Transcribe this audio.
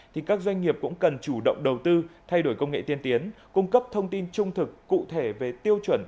thì các doanh nghiệp cũng cần chủ động đầu tư thay đổi công nghệ tiên tiến cung cấp thông tin trung thực cụ thể về tiêu chuẩn